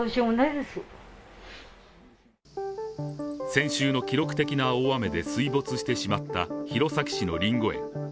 先週の記録的な大雨で水没してしまった弘前市のりんご園。